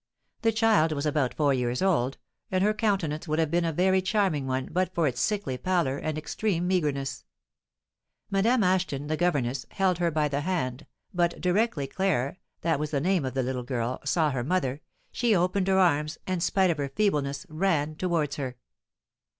The child was about four years old, and her countenance would have been a very charming one but for its sickly pallor and extreme meagreness. Madame Ashton, the governess, held her by the hand, but, directly Claire (that was the name of the little girl) saw her mother, she opened her arms, and, spite of her feebleness, ran towards her.